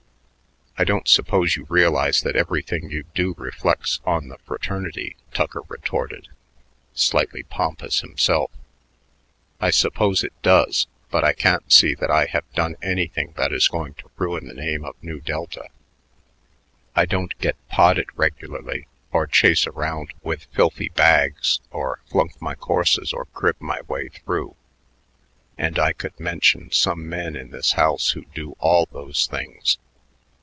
"I don't suppose you realize that everything you do reflects on the fraternity," Tucker retorted, slightly pompous himself. "I suppose it does, but I can't see that I have done anything that is going to ruin the name of Nu Delta. I don't get potted regularly or chase around with filthy bags or flunk my courses or crib my way through; and I could mention some men in this house who do all those things."